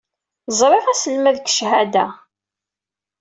Rẓiɣ aselmad deg cchada.